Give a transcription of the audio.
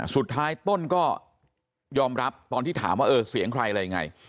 สุดท้ายต้นก็ยอมรับตอนที่ถามว่าเออเสียงใครอะไรยังไง